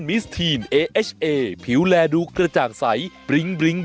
เอาล่ะค่ะแกร่นออก